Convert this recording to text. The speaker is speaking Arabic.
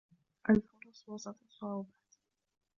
الفرص وسط الصعوبات